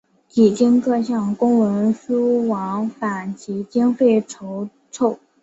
几经各项公文书往返及经费筹凑。